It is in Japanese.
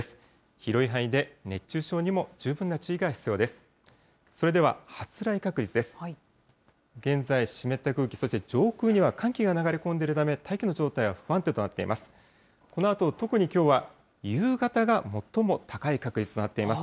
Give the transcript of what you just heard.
広い範囲で熱中症にも十分な注意が必要です。